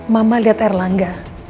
mama liat erlangga